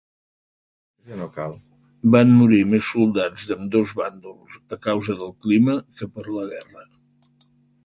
Van morir més soldats d'ambdós bàndols a causa del clima que per la guerra.